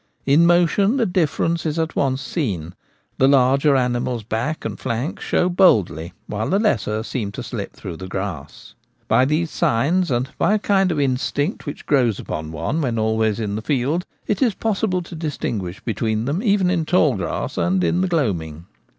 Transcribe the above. In motion the difference is at once seen ; the larger animal's back and flanks show boldly, H 2 ioo The Gamekeeper at Home. while the lesser seems to slip through the grass. By these signs, and by a kind of instinct which grows upon one when always in the field, it is possible to distinguish between them even in tall grass and in the gloaming.